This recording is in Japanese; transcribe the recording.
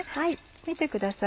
見てください